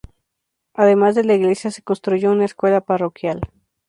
Además de la iglesia se construyó una escuela parroquial.